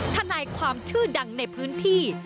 ทนายความชื่อดังในพื้นที่